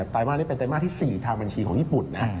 ไตรมาสนี้เป็นไตรมาสที่๔ทางบัญชีของญี่ปุ่นนะ